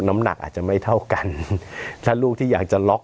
น้ำหนักอาจจะไม่เท่ากันถ้าลูกที่อยากจะล็อก